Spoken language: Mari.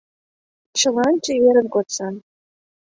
Чылан чеверын кодса.